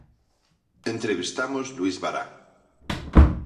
Entrevistamos Luis Bará.